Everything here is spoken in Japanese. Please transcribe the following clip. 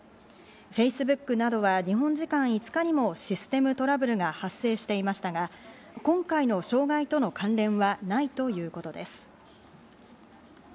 Ｆａｃｅｂｏｏｋなどは日本時間５日にもシステムトラブルが発生していましたが今回の障害との関連はないということです。